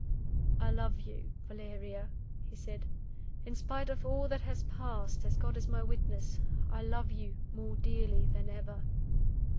"I love you, Valeria," he said. "In spite of all that has passed, as God is my witness, I love you more dearly than ever."